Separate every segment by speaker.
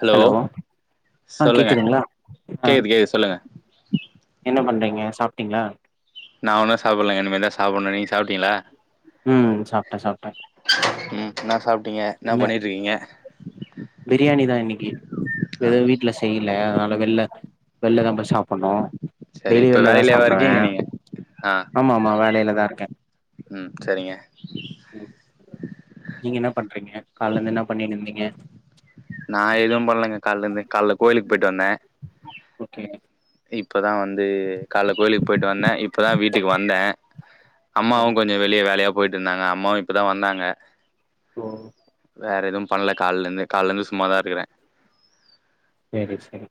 Speaker 1: Hello
Speaker 2: ஆ
Speaker 1: சொல்லுங்க
Speaker 2: கேக்குதுங்களா ஆ
Speaker 1: கேக்குது கேக்து சொல்லுங்க
Speaker 2: என்ன பண்றீங்க சாப்ட்டீங்களா
Speaker 1: நா ஒன்னு சாப்புட்லங்க இனிமேதா சாப்புடணு நீங்க சாப்ட்டீங்களா
Speaker 2: ம் சாப்ட்ட சாப்ட்ட
Speaker 1: ம் என்ன சாப்ட்டீங்க என்ன பண்ணிட்டு இருக்கீங்க
Speaker 2: பிரியாணி தா இன்னிக்கு
Speaker 1: ஆ
Speaker 2: எது வீட்ல செய்யல அதனால வெள்ல வெள்ல தா போயி சாப்டணு
Speaker 1: சரி
Speaker 2: டெய்லி
Speaker 1: இப்ப
Speaker 2: வெள்ள தா
Speaker 1: வேலையிலேவா
Speaker 2: சாப்டுவ
Speaker 1: இருக்கீங்க நீங்க ஆ
Speaker 2: ஆமா ஆமா வேலையிலதா இருக்க
Speaker 1: ம் சரிங்க
Speaker 2: நீங்க என்ன பண்றீங்க காலல இருந்து என்ன பண்ணின்னிருந்தீங்க
Speaker 1: நா எதும் பண்ணலங்க காலலரிந்து காலல கோயிலுக்கு போயிட்டு வந்த
Speaker 2: ஓகே
Speaker 1: இப்பதா வந் அது காலேல கோயிலுக்கு போய்ட்டு வந்தே இப்பதா வீட்டுக்கு வந்தே
Speaker 2: ஓகே
Speaker 1: அம்மாவு கொஞ்சோ வெளிய வேலயா போய்ட்டு இருந்தாங்க அம்மாவு இப்பதா வந்தாங்க
Speaker 2: ஓ
Speaker 1: வேற எதும் பண்ல காலேல இருந்தே காலேல இருந்தே சும்மா தா இருகுறே
Speaker 2: சேரி சேரி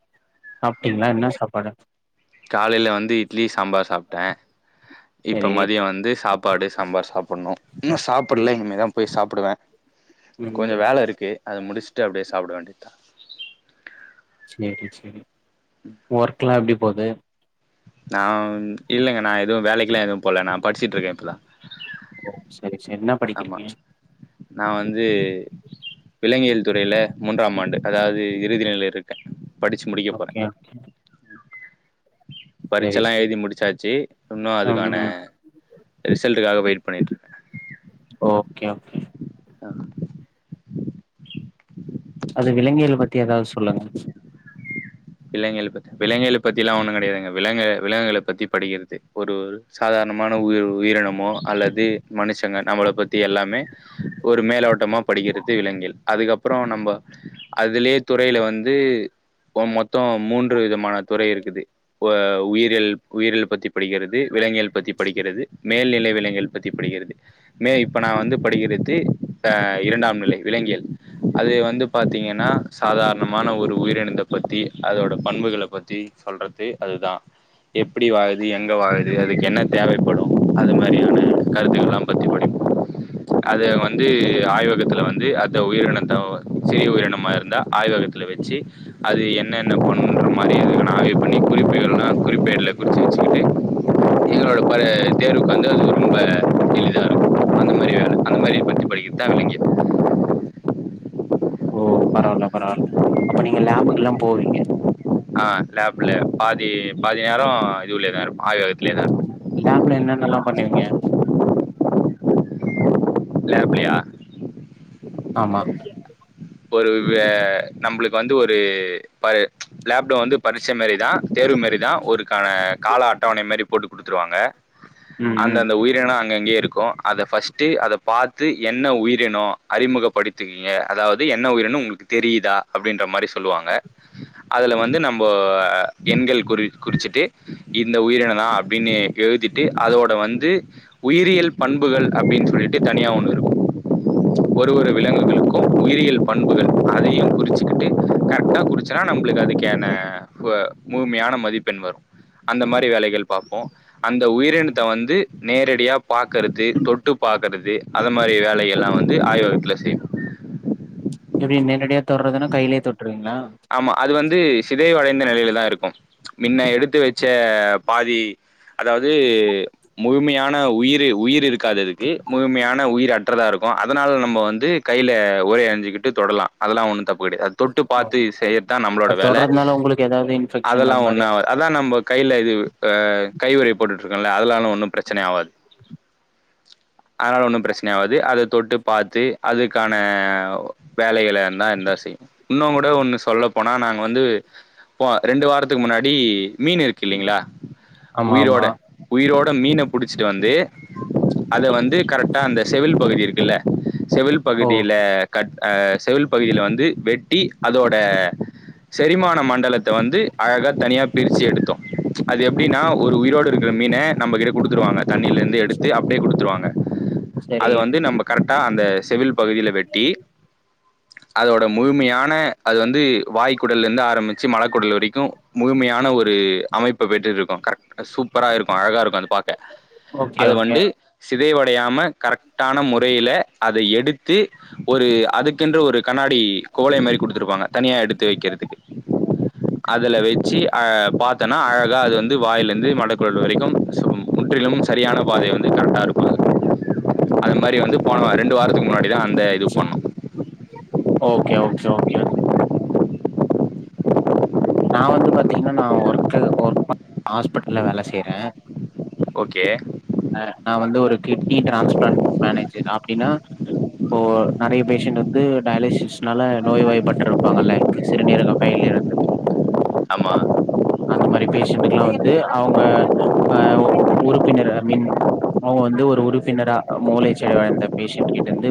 Speaker 2: சாப்ட்டீங்ளா என்ன சாப்பாடு
Speaker 1: காலேல வந்து இட்லி சாம்பார் சாப்ட்டேன் இப்ப
Speaker 2: சேரி
Speaker 1: மதியொ வந்து சாப் சாப்பாடு சாம்பார் சாப்பண்னு இன்னு சாப்படல
Speaker 2: ம்
Speaker 1: இனிமே தா போய் சாப்டுவே
Speaker 2: ம்
Speaker 1: கொஞ்சொ வேல இருக்கு அத முடுஸ்ட்டு அப்டியே சப்ட வேண்டிதா
Speaker 2: சேரி சேரி ஒர்க்ல்லா எப்டி போது
Speaker 1: நா வந்து இல்லங்க நா எதுவு வேலைக்கல்லா எதுவு போல நா படுச்சுட் இருக்கே இப்பதா
Speaker 2: ஓ சரி சரி என்னா
Speaker 1: ஆமா நா வந்து விலங்கியல் துறைல மூன்றாம் ஆண்டு அதாவது இறுதி நிலை இருக்கே படுச்சு முடிக்க போறே
Speaker 2: ஓகே ஓகே சரி
Speaker 1: பரிச்சல்லா
Speaker 2: சரி
Speaker 1: எழுதி முடுச்சாச்சு இன்னு
Speaker 2: ம்
Speaker 1: அதுக்கான
Speaker 2: ம்
Speaker 1: ரிசல்ட்டுக்காக வெயிட் பண்ணிட்டு இருக்கே
Speaker 2: ஓகே ஓகே
Speaker 1: ஆ
Speaker 2: அது விலங்கியல் பத்தி ஏதாவது சொல்லுங்க
Speaker 1: விலங்கியள பத்தி விலங்கியல பத்தில்லா ஒண்ணு கெடையாதுங்க விலங்கு விலங்குகள பத்தி படிக்கிறது ஒரு சாதாரணமான உயிர் உயிரினமோ அல்லது மனுஷங்க நம்மள பத்தி எல்லாமே ஒரு மேலோட்டமா படிக்கிறது விலங்கியல் அதுக்கப்பறோ நம்ப அதுலயே துறையில வந்து இப்ப மொத் தோ மூன்று விதமான துறை இருக்குது வ உயிரியல் உயிரியல பத்தி படிக்கிறது து விலங்கியல் பத்தி படிக்கிறது மேல்நிலை விலங்கியல் பத்தி படிக்கிறது மே இப் இப்ப நா வந்து படிக்கிறது அ இரண்டாம் நிலை விலங்கியல் அது வந்து பாத்தீங்கன்னா சாதாரணமான ஒரு உயிரினத்த பத்தி அதோட பண்புகள பத்தி சொல்றது அதுதா எப்டி வாழுது எங்க வாழுது அதுக்கு என்ன தேவைப்படும் அது மாதிரியான கருத்துக்கள்லாம் பத்தி படிப்போ அத வந்து ஆய்வகத்துல வந்து அந்த உயிரினத்த வ சிறிய உயிரினமா இருந்தா ஆய்வகத் துல வச்சு அது என் என்ன என்ன பண்ணனுன்ற மாரி அதுக்கான ஆய்வு பண்ணி குறிப்பு இல்லேனா குறிப்பேடுல குறுச்சு வச்சுக்கிட்டு [unintelligible] தேர்வுக்கு வந்து அது ரொம்ப எளிதா இருக்கு அந்த மாரியான அந்த மாரி பத்தி படிக்கிறது தா விலங்கியல்
Speaker 2: ஓ பரவால்ல பரவால்ல அப்ப நீங்க லேபுக்கு எல்லா போவீங்க
Speaker 1: ஆ லேப்ல பாதி பாதி நேரோ இது உள்ளயேதா இருப்போ ஆய்வகத்லயே தா
Speaker 2: லேப்ல என்னன்னல்லா பண்ணுவீங்க
Speaker 1: லேப்லயா
Speaker 2: ஆமா
Speaker 1: ஒரு வ நம்பளுக்கு வந்து ஒரு பாது லேப்ல வந்து பறுச்ச மாரி தா தேர்வு மாரி தா ஒருக்கான கால அட்டவணை மாரி போட்டு குடுத்துருவாங்க
Speaker 2: ம்
Speaker 1: அந்த
Speaker 2: ம்
Speaker 1: அந்த உயிரினோ அங்கங்கயே இருக்கு அத ஃபஸ்ட்டு அத பாத்து என்ன உயிரினோ அறிமுகப்படுத்திகங்க அதாவது அது என்ன உயிரனம் உங்களுக்கு தெரிதா அப்டின்ற மாரி சொல்லுவாங்க அதுல வந்து நம்ப அ எண்கள் குறி குறிச்சுட்டு இந்த உயிரின தா அப்டின்னு எழுதி ட்டு அதோட வந்து உயிரியல் பண்புகள் அப்டின் சொல்லிட்டு தனியா ஒண்ணு இருக்கு ஒரு ஒரு விலங்குகளுக்கு உயிரிய பண்புகள் அதையு குறிச்சுக்கிட்டு கரெக்டா குறிச்சனா நம்ளுக்கு அதுக்கான ப்ப முழுமையான மதிப்பெண் வரு அந்த மாரி வேலைகள் பார்ப்போ அந்த உயிரினத்த வந்து நேரடியா பாக்கறது தொட்டு பாக்கறது அது மாதிரி வேலை எல்லா வந்து ஆய்வகத்துல செய்வோ
Speaker 2: எப்டி நேரடியா தொட்றதுனா கையிலயே தொட்டுருவீங்ளா
Speaker 1: ஆமா அது வந்து சிதைவடைந்த நிலையில தா இருக்கு மின்ன எடுத்து வச்ச பாதி அதாவது முழுமையான உயிரு உயிர் இருக்காது அதுக்கு முழுமையான உயிர் அற்றதா இருக்கு அதனால நம்ம வந்து கையில ஒரைய அனிஞ்சிக்கிட்டு தொடலாம் அதெல்லாம் ஒன்னு தப்பு கெடையாது தொட்டு
Speaker 2: ஓ
Speaker 1: பாத்து செய்யர்த்தா நம்மளோட
Speaker 2: அது
Speaker 1: வேல
Speaker 2: தொட்றதுனால உங்களுக்கு ஏதாவது இன்ஃபெக்ஷன்
Speaker 1: அதெல்லா
Speaker 2: அது
Speaker 1: ஒன்னு
Speaker 2: மாரி
Speaker 1: ஆவா அதா நம்ம கையில இது ஆ கைவுறை போட்டுட்டு இருக்கல்ல அதனால ஒன்னு பிரச்சனை ஆவாது அதனால ஒண்ணு பிரச்சனை ஆவாது அத தொட்டு பாத்து அதுக்கான வேலைகளைனா என்ன எந்த செய்யு இன்னுங்கூட ஒண்ணு சொல்ல போனா நாங்க வந்து ரெண்டு வாரத்துக்கு முன்னாடி மீன் இருக்கு இல்லிங்ளா
Speaker 2: ஆமா
Speaker 1: உயிரோட
Speaker 2: ஆமா
Speaker 1: உயிரோட மீன புடிச்சிட்டு வந்து அத வந்து கரெக்டா அந்த செவில் பகுதி இருக்குல்ல செவில்
Speaker 2: ஓ
Speaker 1: பகுதியில கட் செவில் பகுதியில வந்து வெட்டி அதோட செரிமான மண்டலத்த வந்து அழகா தனியா பிரிச்சு எடுத்தோ அது எப்டின்னா ஒரு உயிரோடு இருக்குற மீன நம்மகிட்ட குடுத்துருவாங்க தண்ணியில இருந்து எடுத்து அப்படியே குடுத்துருவாங்க
Speaker 2: சரி
Speaker 1: அது வந்து நம்ம கரெக்டாக அந்த செவுல் பகுதியில வெட்டி அதோட முழுமையான அது வந்து வாய்க்குடல்லந்து ஆரம்பிச்சு மழக்குடல் வரைக்கு முழுமையான ஒரு அமைப்ப பெற்றுருக்கு கரெக்ட் சூப்பரா இருக்கு அழகா இருக்கு அத பாக்க
Speaker 2: ஓகே
Speaker 1: அத
Speaker 2: ஓகே
Speaker 1: வண்டு சிதைவடையாம கரெக்டான முறையில அத எடுத்து ஒரு அதுக்கென்ற ஒரு கண்ணாடி கோலை மாரி குடுத்துருப்பாங்க தனியா எடுத்து வக்றதுக்கு அதுல வச்சு அ பாத்தன்னா அழகா அது வந்து வாயில இருந்து மடக்குழல் வரைக்கு சும் முற்றிலுமும் சரியான பாதை வந்து கரெக்டா இருக்கு அந்த மாரி வந்து போன ரெண்டு வாரத்துக்கு முன்னாடிதா அந்த இது பண்ணோ
Speaker 2: ஓகே ஓகே ஓகே நான் வந்து பாத்திங்ன்னா நான் ஒர்க்கு ஒர்க் பன் ஹாஸ்பிட்டல்ல வேல செய்றே
Speaker 1: ஓகே
Speaker 2: அ நான் வந்து ஒரு கிட்னி டிரான்ஸ்பிளான்ட் மேனேஜர் அப்டின்னா இப்போ நெறைய பேஷண்ட் வந்து டயோலிசிஸ்னால நோய்வாய்ப்பற்று இருப்பாங்கள்ல்ல சிறுநீரக ஃபெயிலியர் அந்த
Speaker 1: ஆமா
Speaker 2: அந்த மாரி பேஷண்ட்டக்ல்லா வந்து அவுங்க அ உறுப்பினர்ர மின் அவுங்க வந்து ஒரு உறுப்பினரா மூளை சிதைவடைந்த பேஷண்ட் கிட்டருந்து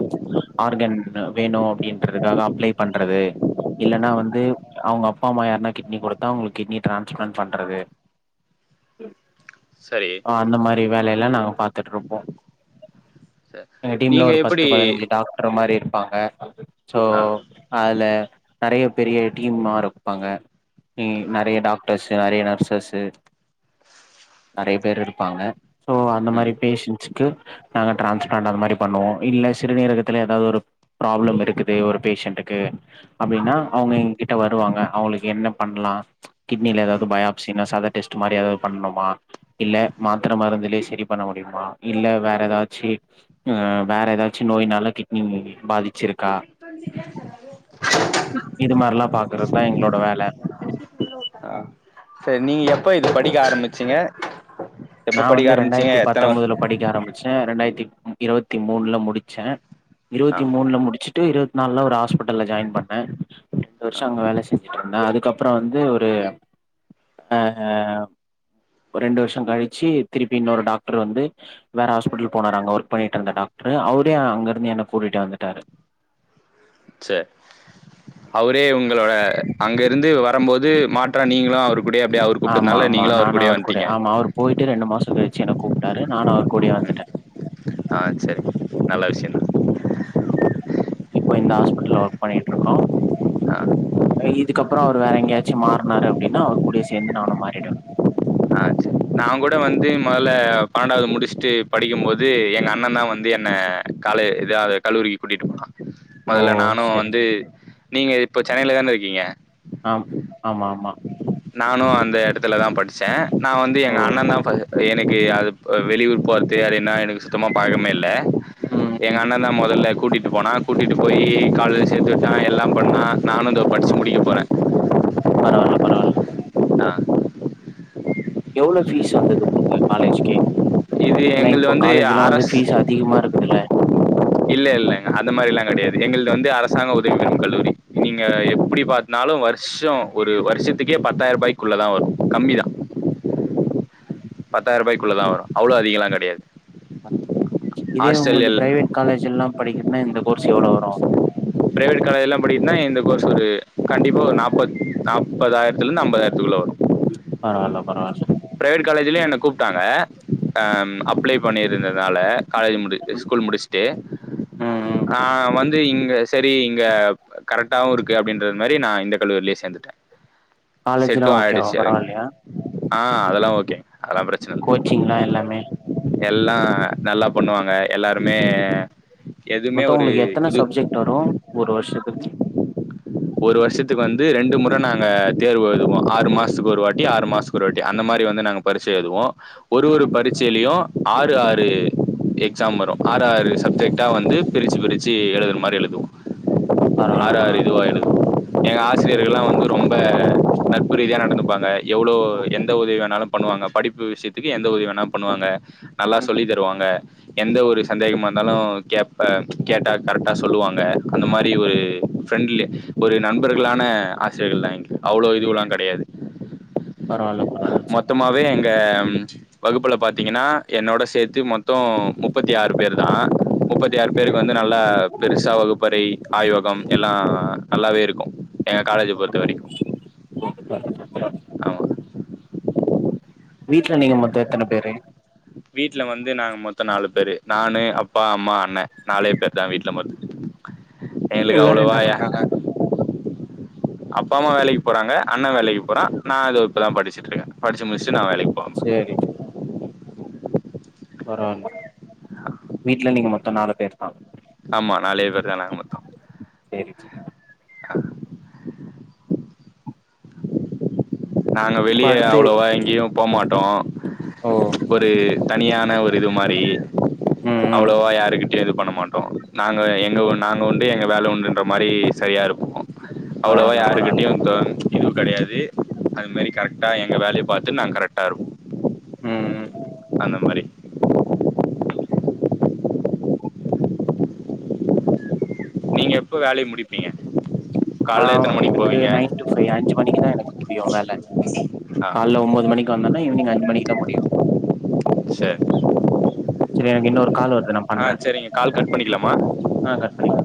Speaker 2: ஆர்கன் வேணு அப்டின்றதுக்காக அப்ளை பண்றது இல்லன்னா வந்து அவுங்க அப்பா அம்மா யார்னா கிட்னி கொடுத்தா அவுங்ளுக்கு கிட்னி ட்ரான்ஸ்பிளான்ட் பண்றது ம்
Speaker 1: சரி
Speaker 2: அந்த மாரி வேலை எல்லா நாங்க பாத்துட்ருப்போ
Speaker 1: ச
Speaker 2: எங்க டீம்ல
Speaker 1: நீங்க
Speaker 2: ஒரு பத்து
Speaker 1: எப்டி
Speaker 2: பதினஞ்சு டாக்டர் மாரி இருப்பாங்க சோ
Speaker 1: ஆ
Speaker 2: அதில நெறைய பெரிய டீம்மா இருப்பாங்க நெறைய டாக் டர்ஸ்ஸு நெறைய நர்சஸ்ஸு நெறைய பேர் இருப்பாங்க சோ அந்த மாரி
Speaker 1: ம்
Speaker 2: பேஷன்ட்ஸ் க்கு நாங்க டிரான்ஸ்பிளான்ட் அந்த மாரி பண்ணுவோம் இல்ல சிறுநீரகத்துல ஏதாது ஒரு ப்ராப்ளம் இருக்குது ஒரு பேஷன்ட்டுக்கு அப்டின்னா
Speaker 1: ம்
Speaker 2: அவுங்க எங்க கிட்ட வருவாங்க அவுங்களுக்கு என்ன பண்லா கிட்னில ஏதாது
Speaker 1: ம்
Speaker 2: பயாப்சின் சாதா டெஸ்ட் மாரி ஏதாது பண்ணணுமா இல்ல மாத்தர மருந்து லே சரி பண்ண முடியுமா இல்ல வேற ஏதாச்சி வேற ஏதாச்சு நோய்னால கிட்னி பாதிச்சிருக் கா இது மாரில்லா பாக்குறதான் எங்ளோட வேல
Speaker 1: ஆ சரி நீங்க எப்ப இது படிக்க ஆரம்மிச்சீங்க எப்ப
Speaker 2: நா வந்து
Speaker 1: படிக்க ஆரம்மிச்சீங்க
Speaker 2: ரெண்டாயிரத்தி
Speaker 1: எத்தன
Speaker 2: பத்தொன்பதுல படிக்க ஆரம்மிச்சேன் ரெண்டாயித்தி இரவத்தி மூணுல முடிச்சேன்
Speaker 1: ஆ
Speaker 2: இரவத்தி மூணுல முடிச்சி ட்டு இருவத்தி நாலுல ஒரு ஹாஸ்பட்டல்ல ஜாயின் பண்ண ரெண்டு வர்ஷோ அங்க வேல செஞ்சிட்டுருந்த அதுக்கப்ரோ வந்து ஒரு அ ஒர் ரெண்டு வர்ஷோ கழிச்சு திருப்பி இன்னொரு டாக்ட்ரு வந்து வேற ஹாஸ்பிட்டல் போனாரு அங்க ஒர்க் பண்ணிட்ருந்த டாக்ட்ரு அவரே அங்க இருந்து என்ன கூட்டிட்டு வந்துட்டாரு
Speaker 1: செ அவரே உங்களோட அங்க இருந்து வரம்போது மாற்றா நீங்ளா அவரு குடயே அப்டி அவரு
Speaker 2: ஆமா
Speaker 1: கூப்ட்டதுனால
Speaker 2: ஆமா
Speaker 1: நீங்களு அவரு
Speaker 2: நானு
Speaker 1: கூடயே
Speaker 2: அவர்
Speaker 1: வந்டிங்க
Speaker 2: ஆமா அவர் போயிட்டு ரெண்டு மாசம் கழிச்சு என்ன கூப்பிட்டாரு நானு அவர் கூடயே வந்துட்ட
Speaker 1: ஆ செரி நல்ல விஷய தா
Speaker 2: இப்ப இந்த ஹாஸ்பட்டல்ல ஒர்க் பண்ணிட்டுருக்கோ
Speaker 1: ஆ
Speaker 2: இதுக்கப்ரோ அவரு வேற எங்கயாச்சும் மாறனாரு அப்டின்னா அவரு கூடயே சேந்து நானு மாறிடுவேன்
Speaker 1: நா கூட வந்து மொதல்ல பன்னெண்டாது முடிச்சிட்டு படிக்கும்போது எங்க அண்ண தா வந்து என்ன கால இதாது கல்லூரிக்கு கூட்டிட்டு போனா
Speaker 2: ஓ
Speaker 1: மொதல்ல நானு
Speaker 2: சரி
Speaker 1: வந்து
Speaker 2: சரி
Speaker 1: நீங்க இப்ப சென்னைல தான இருக்கீங்க
Speaker 2: ஆம் ஆமா ஆமா
Speaker 1: நானு அந்த எடத்துல தா படிச்சேன் நா வந்து
Speaker 2: ஓ
Speaker 1: எங்க அண்ணன்ன நா எனக்கு அது வெளியூர் போறது அது என்னா எனக்கு சுத்தமா பழக்கமே இல்ல
Speaker 2: ம்
Speaker 1: எங்க
Speaker 2: ம்
Speaker 1: அண்ண தா மொதல்ல கூட்டிட்டு போனா கூட்டிட்டு போயி காலேஜ்ல சேத்து விட்டான் எல்லா பண்ணா நானு இந்தோ படிச்சு
Speaker 2: ம்.
Speaker 1: முடிக்க போறேன்
Speaker 2: பரவால்ல பரவால்ல
Speaker 1: நான்
Speaker 2: எவ்ளோ ஃபீஸ் வந்துது உங்ளுக்கு காலேஜ்கே
Speaker 1: இது
Speaker 2: எனா
Speaker 1: எங்களுது
Speaker 2: இப்ப
Speaker 1: வந்து
Speaker 2: காலேஜ்லா வந்து
Speaker 1: அரசு
Speaker 2: ஃபீஸ் அதிகமா இருக்குதுல்ல
Speaker 1: இல்ல இல்லங்க அந்த மாரில்லா கெடையாது எங்கள்து வந்து அரசாங்க உதவி பெறும் கல்லூரி நீங்க எப்டி பாத்னாலும் வர்ஷோ ஒரு வர்ஷத்துக்கே பத்தாயிரூபாய்க்குள்ள தா வரும் கம்மிதா பத்தாயிரரூபாய்க்குள்ள தா வரும் அவ்ளோ அதிகலா கெடையாது
Speaker 2: இதே
Speaker 1: ஹாஸ்டல்
Speaker 2: உங்கள்து
Speaker 1: எல்
Speaker 2: பிரைவேட் காலேஜ் எல்லா படிக்கணுனா இந்த கோர்ஸ் எவ்ளோ வரு
Speaker 1: பிரைவேட் காலேஜ் எல்லா படிக்கணுன்னா இந்த கோர்ஸ் ஒரு கண்டிப்பா ஒரு நாபத் நாப்பதாயிரத்துலேருந்து ஐம்பதாயிரத்துக்குள்ள வரு
Speaker 2: பரவால்ல பரவால்ல
Speaker 1: பிரைவேட் காலேஜ்லயு என்ன கூப்ட்டாங்க அ ம் அப்ளே பண்ணியிருந்ததால காலேஜ முடி ஸ்கூல் முடிச்ட்டு
Speaker 2: ம் ம்
Speaker 1: நாங்க வந் கது இங்க சரி இங்க கரெக்டாவு இருக்கு அப்டின்றது மாரி நா இந்த கல்லூரிலே சேந்துட்ட
Speaker 2: காலேஜ்லா
Speaker 1: செட்டு
Speaker 2: ஓகேவா
Speaker 1: ஆயிடுச்சு அதேமா
Speaker 2: பரவால்லையா
Speaker 1: ஆ அதல்லா ஓகே அதல்லா ப்ரெச்
Speaker 2: கோச்சிங்ல்லா எல்லாமே
Speaker 1: எல்லா நல்லா பண்ணுவாங்க எல்லாருமே எதுவுமே
Speaker 2: மொத்தோ
Speaker 1: ஒரு
Speaker 2: உங்களுக்கு எத்தன
Speaker 1: இது
Speaker 2: சப்ஜெக்ட் வரு ஒரு வருஷத்துக்கு
Speaker 1: ஒரு வருஷத்துக்கு வந்து ரெண்டு முற நாங்க தேர்வு எழுதுவோ ஆறு மாசத்துக்கு ஒரு வாட்டி ஆறு மாச ஒரு வாட்டி அந்த மாரி வந்து நாங்க பரிட்சை எழுதுவோ ஒரு ஒரு
Speaker 2: ம்
Speaker 1: பரிட்சையிலயு ஆறு ஆறு எக்ஸாம் வரு ஆறு ஆறு சப்ஜெக்ட்டா வந்து பிரிச்சி பிரிச்சி எழுதுற மாரி எழுதுவோ
Speaker 2: பரவால்ல
Speaker 1: ஆறு ஆறு
Speaker 2: பரவால்ல
Speaker 1: இதுவா எழுதுவோ எங்க ஆசிரியர்கள்ல்லா வந்து ரொம்ப நட்பு ரீதியா நடந்துப்பாங்க எவ்ளோ
Speaker 2: ஓ
Speaker 1: உதவி வேணாலு பண்ணுவாங்க படிப்பு விஷயத்துக்கு எந்த உதவி வேணா பண்ணுவாங்க நல்லா
Speaker 2: ம்
Speaker 1: சொல்லி தருவாங்க எந்த
Speaker 2: ஓ
Speaker 1: ஒரு சந்தேகமா இருந்தாலு கேட்பே கேட்டா கரெக்ட்டா சொல்லுவாங்க அந்த மாரி ஒரு ஃப்ரெண்ட்லி ஒரு நண்பர்களான ஆசியர்கள்தா எங்க்கு அவ்ளோ இதுவெல்லா கெடையாது
Speaker 2: பரவாயில்ல பரவாயில்ல
Speaker 1: மொத்தமாவே எங்க வகுப்புல பாத்தீங்கன்னா என்னோட சேத்து மொத்தோ முப்பத்தி ஆறு பேரு தா முப்பத் தியாரு பேருக்கு வந்து நல்லா பெருசா வகுப்பறை ஆய்வகம் எல்லா நல்லாவே இருக்கு எங்க காலேஜ பொறுத்த வரைக்கு
Speaker 2: [inaudible]
Speaker 1: ஆமா
Speaker 2: வீட்ல நீங்க மொத்தோ எத்தன பேரு
Speaker 1: [inaudible] வீட்ல வந்து நாங்க மொத்தோ நாலு பேரு நானு அப்பா அம்மா அண்ண நாலே பேரு தா வீட்ல மொத்த எங்களுக்கு
Speaker 2: எல்லாரு
Speaker 1: அவ்ளோவா
Speaker 2: என்ன பண்றாங்க
Speaker 1: அப்பா அம்மா வேலைக்கு போறாங்க அண்ண வேலைக்கு போறா நா இது இப்பதா படிச்சுட்டு இருக்கே படிச்சு முடிச்சுட்டு நா வேலைக்கு போவே
Speaker 2: சேரி பரவாயில்ல வீட்ல நீங்க மொத்தோ நாலு பேருதா
Speaker 1: ஆமா நாலே பேருதா நாங்க மொத்தோ
Speaker 2: சேரி
Speaker 1: நாங்க
Speaker 2: இப்ப
Speaker 1: வெளிய
Speaker 2: அடுத்து
Speaker 1: அவ்ளோவா எங்கியு போமாட்டோ
Speaker 2: ஓ
Speaker 1: ஒரு தனியான ஒரு இது மாரி
Speaker 2: ம் ம்
Speaker 1: அவ்ளோவா யாருக்கிட் இது பண்ண மாட்டோ நாங்க எங்க ஒன்னு நாங்க உண்டு எங்க வேல உண்டுன்ற மாரி சரியா இருப்போ அவ்ளவா
Speaker 2: பரவால்ல பரவால்ல
Speaker 1: யாருகிட்டயு தோ இதுவு கெடையாது அது மாரி கரெக்ட்டா எங்க வேலைய பாத் து நாங்க கரெக்ட்டா இருப்
Speaker 2: ம்
Speaker 1: அந்த மாரி நீங்க எப்ப வேலைய முடிப்பீங்க
Speaker 2: ஆ
Speaker 1: கால்ல எத்தன மணிக்கு
Speaker 2: எனக்கு
Speaker 1: போவீங்க
Speaker 2: நைன் டூ ஃபைவ் அஞ்சு மணிக்கு தா எனக்கு முடியு வேல
Speaker 1: ஆ
Speaker 2: கால்ல ஒன்போது மணிக்கு வந்தேனா ஈவ்னிங் அஞ்சு மணிக்கு தா முடியு
Speaker 1: சேர்
Speaker 2: சேரி எனக்கு இன்னொரு கால் வருது நா
Speaker 1: ஆ
Speaker 2: பண்றே
Speaker 1: சரிங்க கால் கட் பண்ணிக்கலாமா
Speaker 2: ஆ கட் பண்ணிக்